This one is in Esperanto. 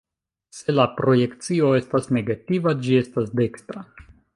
Se la projekcio estas negativa, ĝi estas dekstra.